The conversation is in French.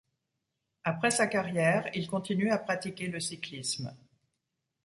Après sa carrière, il continue à pratiquer le cyclisme.